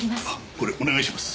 これお願いします。